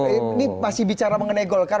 ini masih bicara mengenai golkar